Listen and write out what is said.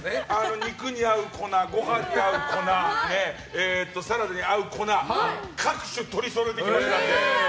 肉に合う粉、ご飯に合う粉サラダに合う粉各種取りそろえてきました。